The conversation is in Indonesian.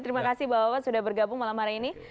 terima kasih bahwa sudah bergabung malam hari ini